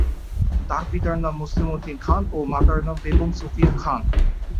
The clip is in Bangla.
তার পিতার নাম মোসলেম উদ্দিন খান ও মাতার নাম বেগম সুফিয়া খান।